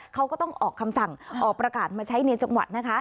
เขาก็ต้องออกคำสั่งออกประกาศมาใช้ในจังหวัดนะคะ